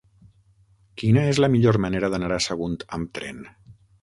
Quina és la millor manera d'anar a Sagunt amb tren?